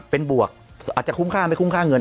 เป็นบวกอาจจะคุ้มค่าไม่คุ้มค่าเงิน